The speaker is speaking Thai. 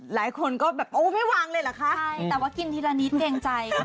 ขายวันไหนบ้าง